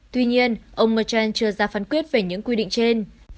tuy nhiên ông merchel chưa ra phán quyết về những quy định trên